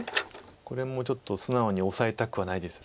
これもちょっと素直にオサえたくはないです。